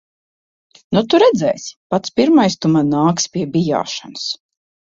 Nu tu redzēsi. Pats pirmais tu man nāksi pie bijāšanas.